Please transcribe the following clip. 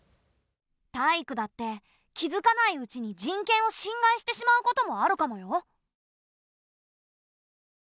タイイクだって気付かないうちに人権を侵害してしまうこともあるかもよ。